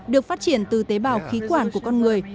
được phát triển từ tế bào khí quản của con người